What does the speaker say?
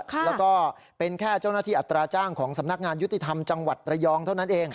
แล้วก็เป็นแค่เจ้าหน้าที่อัตราจ้างของสำนักงานยุติธรรมจังหวัดระยองเท่านั้นเอง